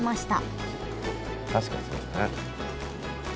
確かにそうだね。